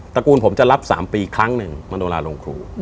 ระกูลผมจะรับ๓ปีครั้งหนึ่งมโนลาลงครู